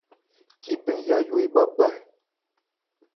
Cíbɛn Yayó ebhá bhá ɛ ?